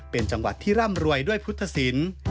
เป็นจังหวัดที่ร่ำรวยด้วยพุทธศิลป์